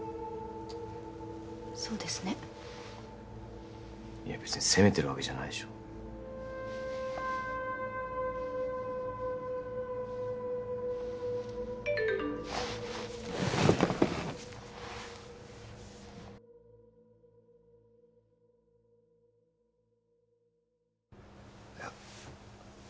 そうですねいや別に責めてるわけじゃないでしょいや